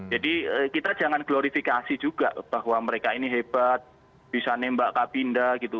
jadi kita jangan glorifikasi juga bahwa mereka ini hebat bisa nembak kabinda gitu